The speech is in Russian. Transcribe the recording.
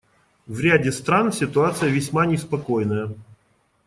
В ряде стран ситуация весьма неспокойная.